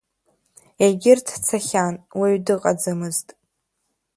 Егьырҭ цахьан, уаҩ дыҟаӡамызт.